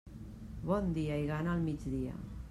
Bon dia i gana al migdia.